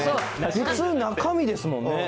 普通、中身ですもんね。